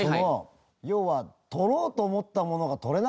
要は取ろうと思ったものが取れなかったみたいな